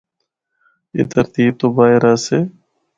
اے ترتیب تو باہر آسے۔